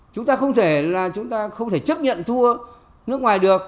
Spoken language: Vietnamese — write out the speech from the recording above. chúng ta không thể là chúng ta không thể chấp nhận thua nước ngoài được